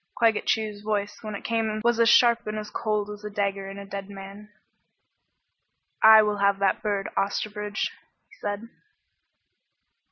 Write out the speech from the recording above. Claggett Chew's voice when it came was as sharp and as cold as a dagger in a dead man. "I will have that bird, Osterbridge," he said.